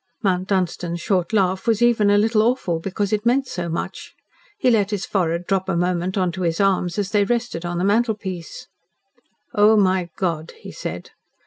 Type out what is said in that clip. Mount Dunstan's short laugh was even a little awful, because it meant so much. He let his forehead drop a moment on to his arms as they rested on the mantelpiece. "Oh, my God!" he said.